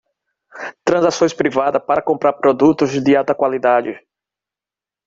Transações privadas para comprar produtos de alta qualidade